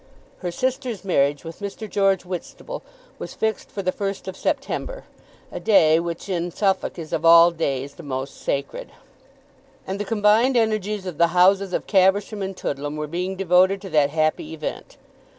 Her sister's marriage with Mr. George Whitstable was fixed for the first of September, a day which in Suffolk is of all days the most sacred; and the combined energies of the houses of Caversham and Toodlam were being devoted to that happy event.